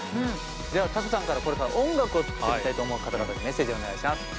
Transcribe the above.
ではＴＡＫＵさんからこれから音楽を作ってみたいと思う方々にメッセージをお願いします。